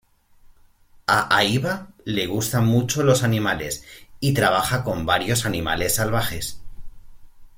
A Aiba le gustan mucho los animales y trabaja con varios animales salvajes.